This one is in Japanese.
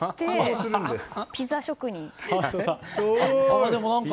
ピザ職人。